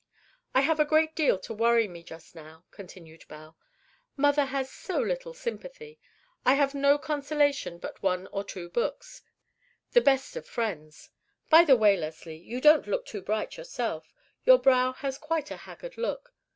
"I have a great deal to worry me just now," continued Belle. "Mother has so little sympathy; I have no consolation but one or two books—the best of friends. By the way, Leslie, you don't look too bright yourself; your brow has quite a haggard look.